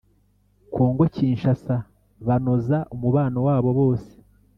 kongo kinshassa banoza umubano wabo bose